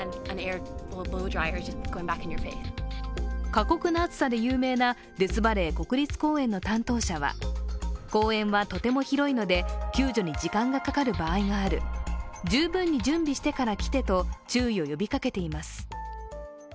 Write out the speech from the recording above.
過酷な暑さで有名なデスバレー国立公園の担当者は、公園はとても広いので、救助に時間がかかる場合がる十分に準備してから来てと注意を呼びかけています。